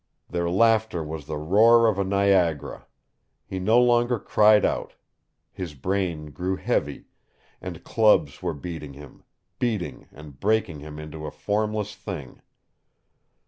Their laughter was the roar of a Niagara. He no longer cried out. His brain grew heavy, and clubs were beating him beating and breaking him into a formless thing.